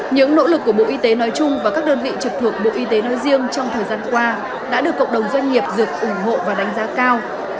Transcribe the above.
những nỗ lực của bộ y tế nói chung và các đơn vị trực thuộc bộ y tế nói riêng trong thời gian qua đã được cộng đồng doanh nghiệp dược ủng hộ và đánh giá cao